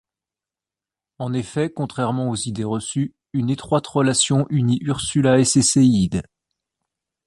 En effet, contrairement aux idées reçues, une étroite relation unit Ursula et ses séides.